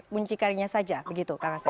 muncikarinya saja begitu kang asep